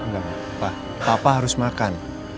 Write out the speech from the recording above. enggak pak papa harus makan